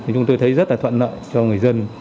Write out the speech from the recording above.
chúng tôi thấy rất là thuận lợi cho người dân